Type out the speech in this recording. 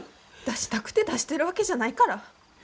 出したくて出してるわけじゃないから。